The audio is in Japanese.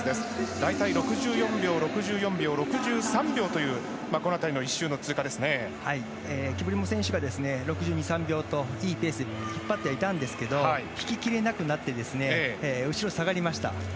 大体６４秒、６４秒６３秒というキプリモ選手が６２６３３秒といいペースで引っ張っていたんですが引ききれなくなって後ろに下がりました。